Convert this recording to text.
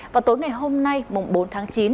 và tối ngày hôm nay mùng bốn tháng chín